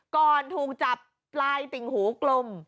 ก่อนถูกจับไล่ติ่งหูกลม